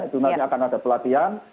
itu nanti akan ada pelatihan